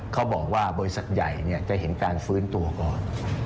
เขาบอกว่าบริษัทใหญ่จะเห็นการฟื้นตัวก่อน